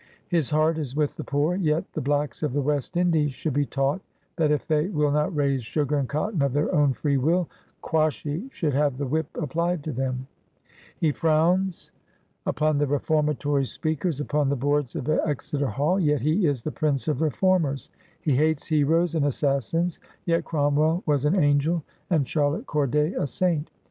His heart is with the poor ; yet the blacks of the West Indies should be taught, that if they will not raise sugar and cotton of their own free will, * Quashy should have the whip applied to him.' He frowns upon the reformatory speakers upon the boards of Exe ter Hall ; yet he is the prince of reformers. He hates heroes and assassins ; yet Cromwell was an angel, and Charlotte Corday a saint.